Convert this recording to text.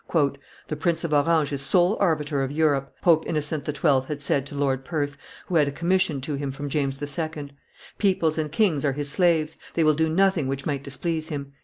"The Prince of Orange is sole arbiter of Europe," Pope Innocent XII. had said to Lord Perth, who had a commission to him from James II; "peoples and kings are his slaves; they will do nothing which might displease him."